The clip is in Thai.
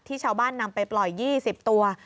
ชาวบ้านนำไปปล่อย๒๐ตัว